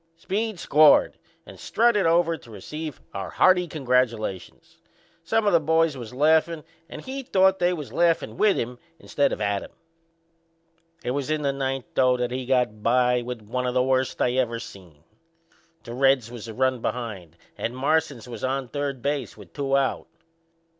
Speed scored and strutted over to receive our hearty congratulations. Some o' the boys was laughin' and he thought they was laughin' with him instead of at him. It was in the ninth, though, that he got by with one o' the worst I ever seen. The Reds was a run behind and Marsans was on third base with two out.